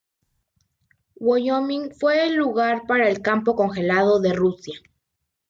Wyoming fue el lugar para el campo congelado de Rusia.